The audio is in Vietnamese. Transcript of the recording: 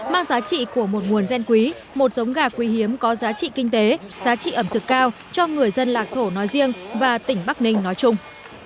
mang giá trị của một nguồn gen quý một giống gà quý hiếm có giá trị kinh tế giá trị ẩm thực cao cho người dân lạc thổ nói riêng và tỉnh bắc ninh nói chung